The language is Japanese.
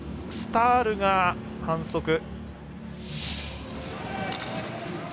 スタールが反則。